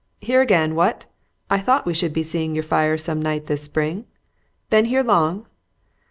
"Here again, what? I thought we should be seeing your fire some night this spring. Been here long?"